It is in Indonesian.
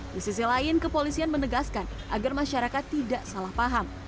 di sisi lain kepolisian menegaskan agar masyarakat tidak salah paham